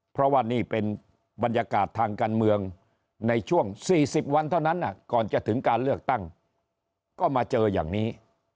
เพราะว่านี่เป็นบรรยากาศทางการเมืองในช่วง๔๐วันเท่านั้นก่อนจะถึงการเลือกตั้งก็มาเจออย่างนี้